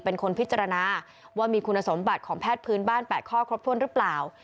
เป็นคนพิจารณาว่ามีคุณสมบัติของแพทย์พื้นบ้าน๘ข้อครบถ้วนหรือเปล่า